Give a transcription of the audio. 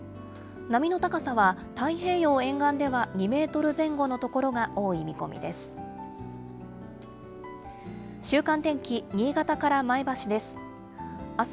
波の高さは太平洋沿岸では２メートル前後の所が多い見込みです。